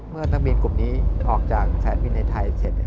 นักบินกลุ่มนี้ออกจากสายบินในไทยเสร็จ